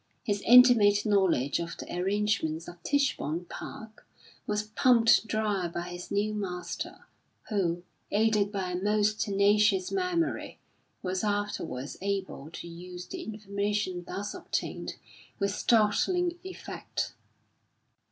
His intimate knowledge of the arrangements of Tichborne Park was pumped dry by his new master, who, aided by a most tenacious memory, was afterwards able to use the information thus obtained with startling effect.